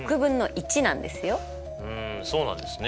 うんそうなんですね。